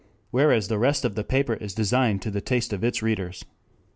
] whereas the rest of the paper is designed to the taste of its readers.